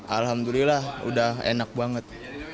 alhamdulillah udah enak banget